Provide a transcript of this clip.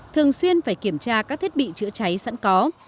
thường xuyên phải kiểm tra các thiết bị chữa cháy sẵn có